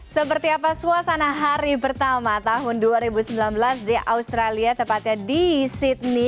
seperti apa suasana hari pertama tahun dua ribu sembilan belas di australia tepatnya di sydney